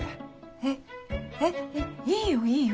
えっえっいいよいいよ